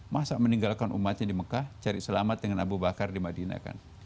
masa meninggalkan umatnya di mekah cari selamat dengan abu bakar di madinah kan